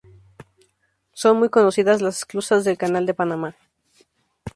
Son muy conocidas las esclusas del Canal de Panamá.